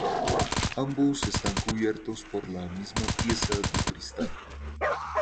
Ambos están cubiertos por la misma pieza de cristal.